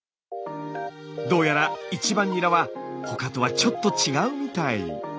どうやら１番ニラは他とはちょっと違うみたい。